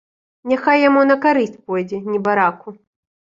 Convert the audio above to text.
Няхай яму на карысць пойдзе, небараку.